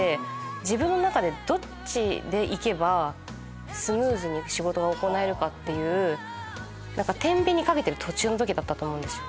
自分の中でどっちでいけばスムーズに仕事が行えるかっててんびんにかけてる途中の時だったと思うんですよ。